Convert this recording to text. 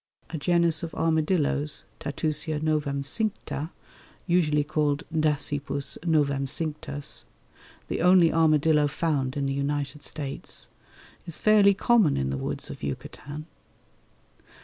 A genus of armadillos (Tatusia novemcincta) usually called Dasypus novemcinctus, the only armadillo found in the United States, is fairly common in the woods of Yucatan.